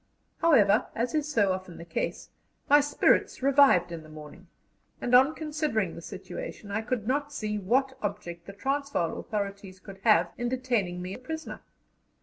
However, as is so often the case, my spirits revived in the morning, and, on considering the situation, I could not see what object the Transvaal authorities could have in detaining me a prisoner.